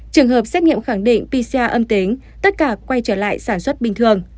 trường hợp xét nghiệm khẳng định pcr âm tính tất cả quay trở lại sản xuất bình thường